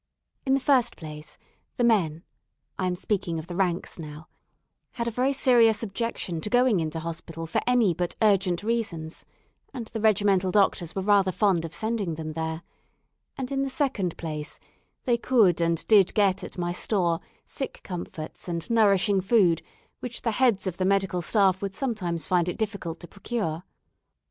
In the first place, the men (I am speaking of the "ranks" now) had a very serious objection to going into hospital for any but urgent reasons, and the regimental doctors were rather fond of sending them there; and, in the second place, they could and did get at my store sick comforts and nourishing food, which the heads of the medical staff would sometimes find it difficult to procure.